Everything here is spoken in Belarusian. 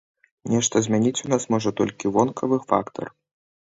Нешта змяніць у нас можа толькі вонкавы фактар.